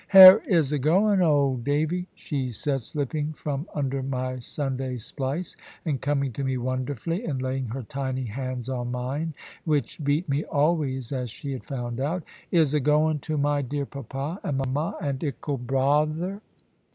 "'Hare is 'a going, old Davy?" she said, slipping from under my Sunday splice, and coming to me wonderfully, and laying her tiny hands on mine, which beat me always, as she had found out; "is 'a going to my dear papa, and mama, and ickle bother?"